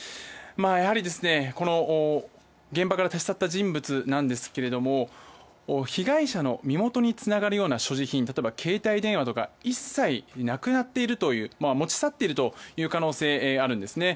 やはり、現場から立ち去った人物ですけれども被害者の身元につながるような所持品、携帯電話などを一切なくなっているという持ち去っている可能性があるんですね。